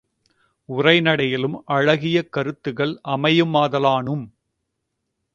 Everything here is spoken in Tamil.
உரைநடையிலும் அழகிய கருத்துகள் அமையுமாதலானும்